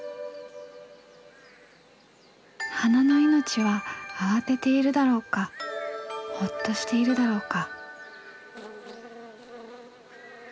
花の命は慌てているだろうかほっとしているだろうか。